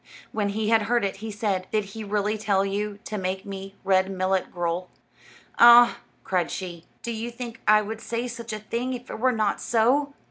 When he had heard it, he said: "Did he really tell you to make me red millet gruel?" "Ah," cried she, "do you think I would say such a thing if it were not so?"